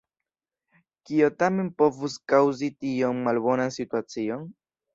Kio tamen povus kaŭzi tiom malbonan situacion?